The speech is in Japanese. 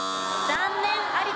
残念！